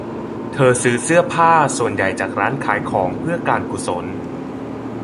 เธอซื้อเสื้อผ้าส่วนใหญ่จากร้านขายของเพื่อการกุศล